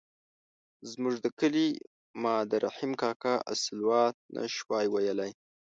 زموږ د کلي ماد رحیم کاکا الصلواة نه شوای ویلای.